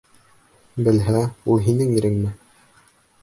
Белһә, ул һинең иреңме?